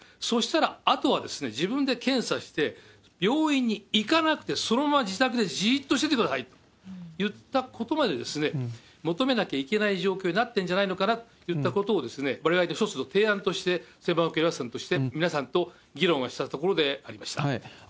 そうしたら、あとは自分で検査して、病院に行かなくて、そのまま自宅でじーっとしててくださいといったことまで求めなきゃいけないという状況になってるということをわれわれの一つの提案として、専門家の皆さんと議論をしたところでありました。